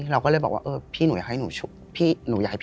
เราก็เลยบอกว่าพี่หนูอยากให้หนูช่วยหนูหน่อย